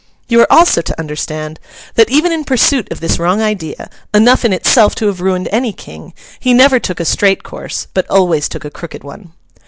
You are also to understand, that even in pursuit of this wrong idea (enough in itself to have ruined any king) he never took a straight course, but always took a crooked one.